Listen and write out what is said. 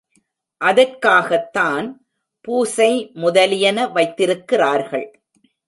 அதற்காகத்தான் பூசை முதலியன வைத்திருக்கிறார்கள்.